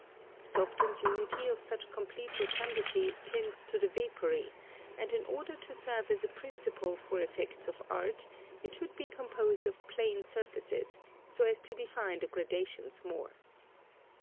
The softened unity of such complete rotundity tends to the vapoury, and in order to serve as a principle for effects of art, it should be composed of plane surfaces, so as to define the gradations more.